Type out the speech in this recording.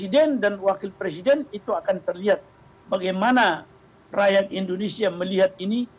dan wakil presiden itu akan terlihat bagaimana rakyat indonesia melihat ini